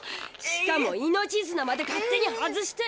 しかも命づなまで勝手に外して！